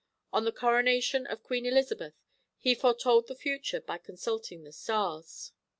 On the coronation of Queen Elizabeth, he foretold the future by consulting the stars.